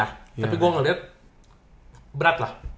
tapi gue ngeliat berat lah